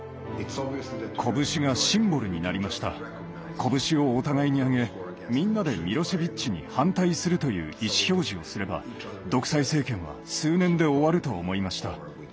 拳をお互いにあげみんなでミロシェヴィッチに反対するという意思表示をすれば独裁政権は数年で終わると思いました。